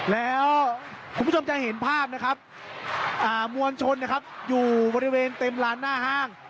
แล้วคุณผู้ชมจะเห็นภาพนะครับมวลชนนะครับอยู่บริเวณเต็มลานหน้าห้าง